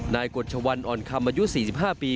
กฎชวันอ่อนคำอายุ๔๕ปี